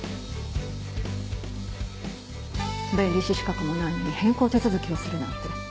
弁理士資格もないのに変更手続きをするなんて。